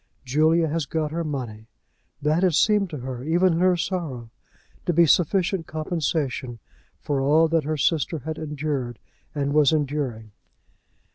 Julia has got her money! That had seemed to her, even in her sorrow, to be sufficient compensation for all that her sister had endured and was enduring.